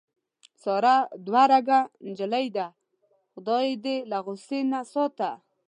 ساره دوه رګه نجیلۍ ده. خدای یې دې له غوسې نه ساته.